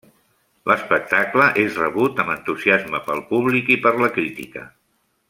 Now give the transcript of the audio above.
L’espectacle és rebut amb entusiasme pel públic i per la crítica.